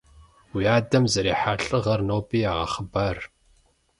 Уи адэм зэрихьа лӀыгъэр ноби ягъэхъыбар.